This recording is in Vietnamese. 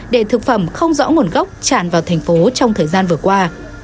để thực phẩm không rõ nguồn gốc tràn vào thành phố trong thời gian vừa qua